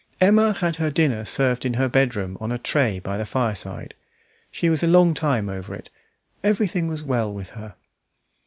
Emma had her dinner served in her bedroom on a tray by the fireside; she was a long time over it; everything was well with her.